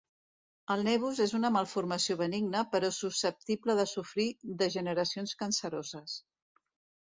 El nevus és una malformació benigna però susceptible de sofrir degeneracions canceroses.